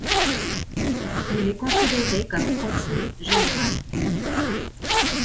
Il est considéré comme concile général.